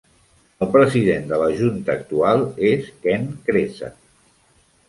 El president de la junta actual és Kent Kresa.